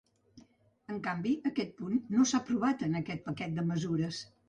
En canvi, aquest punt no s’ha aprovat en aquest paquet de mesures.